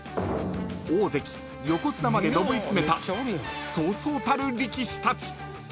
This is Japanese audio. ［大関横綱まで上り詰めたそうそうたる力士たち］